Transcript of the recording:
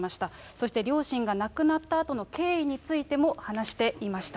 そして両親が亡くなったあとの経緯についても話していました。